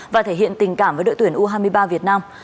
và thể hiện tình cảm với đội tuyển u hai mươi ba việt nam